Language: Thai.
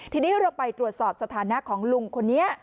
ทีนี้เราไปตรวจสอบสถานะของลุงคนนี้